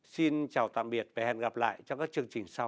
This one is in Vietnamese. xin chào tạm biệt và hẹn gặp lại trong các chương trình sau